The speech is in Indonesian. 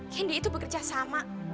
kendi itu bekerja sama